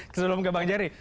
sebelum kebang jari